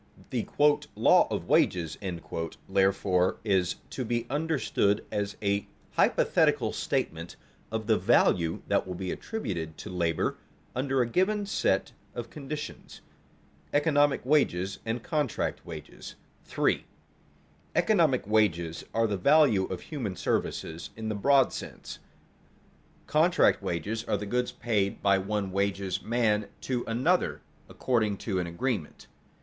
The "law of wages," therefore, is to be understood as a hypothetical statement of the value that will be attributed to labor under a given set of conditions. [Sidenote: Economic wages and contract wages] 3. _Economic wages are the value of human services in the broad sense; contract wages are the goods paid by one wages man to another according to an agreement.